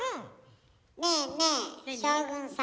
ねえねえ将軍様。